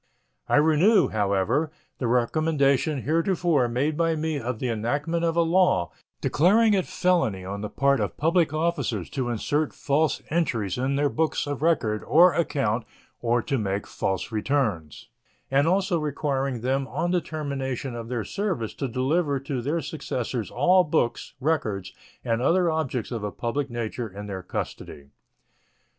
I renew, however, the recommendation heretofore made by me of the enactment of a law declaring it felony on the part of public officers to insert false entries in their books of record or account or to make false returns, and also requiring them on the termination of their service to deliver to their successors all books, records, and other objects of a public nature in their custody.